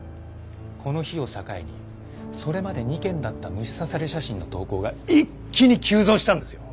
この日を境にそれまで２件だった虫刺され写真の投稿が一気に急増したんですよ。